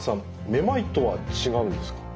めまいとは違うんですか？